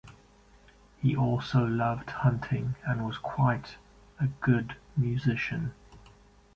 He also loved hunting and was quite a good musician.